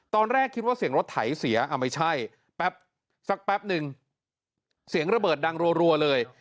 ตอนแรกคิดว่าเสียงรถไถเสียไม่ใช่แป๊บสักแป๊บนึงเสียงระเบิดดังรัวเลย